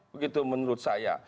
begitu menurut saya